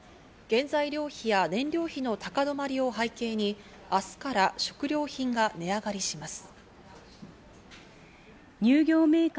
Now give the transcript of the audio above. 原材料費や燃料費の高止まりを背景に明日から食料品が値上がりします。